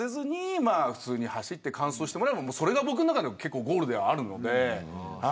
普通に走って完走してもらえば僕の中でそれがゴールでもあるので。